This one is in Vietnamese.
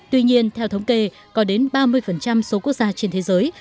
tuy nhiên theo thống kê có đến ba mươi số quốc gia trên thế giới